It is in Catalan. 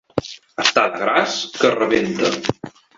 Està de gras que rebenta.